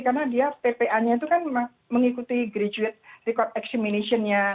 karena dia ppa nya itu kan mengikuti graduate record examination nya